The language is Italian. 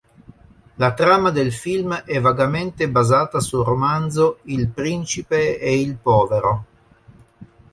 La trama del film è vagamente basata sul romanzo "Il principe e il povero".